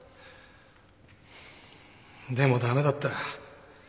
でも駄目だった。